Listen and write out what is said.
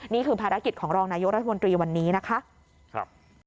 นี่คือภารกิจของรองนายกรัฐมนตรีวันนี้นะคะ